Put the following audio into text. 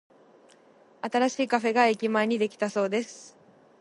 新しいカフェが駅前にできたそうです。